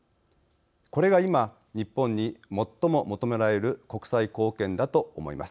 これがいま日本に最も求められる国際貢献だと思います。